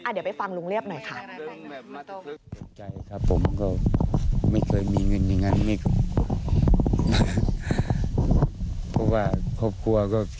เดี๋ยวไปฟังลุงเรียบหน่อยค่ะ